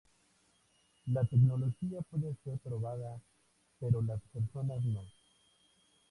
La tecnología puede ser probada, pero las personas no".